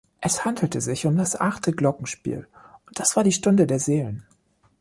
Es handelte sich um das achte Glockenspiel und das war die Stunde der Seelen.